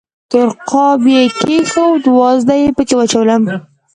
تور قاب یې کېښود، وازده یې پکې واچوله.